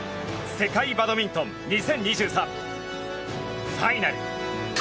世界バドミントン２０２３ファイナル。